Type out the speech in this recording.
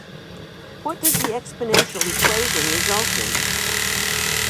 What does the exponential equation result in?